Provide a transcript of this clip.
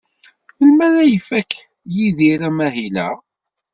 Melmi ara ifak Yidir amahil-a?